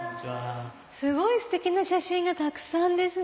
すごいステキな写真がたくさんですね！